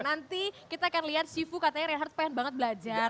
nanti kita akan lihat sifu katanya reinhardt pengen banget belajar